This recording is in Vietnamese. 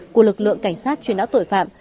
của lực lượng cảnh sát chuyên áo tội phạm